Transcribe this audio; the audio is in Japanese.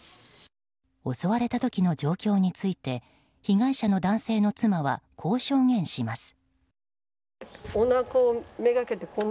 襲われた時の状況について被害者の男性の妻はこう証言します。